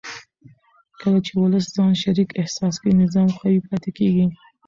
کله چې ولس ځان شریک احساس کړي نظام قوي پاتې کېږي